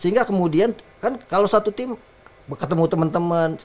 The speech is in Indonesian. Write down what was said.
sehingga kemudian kan kalau satu tim ketemu temen temen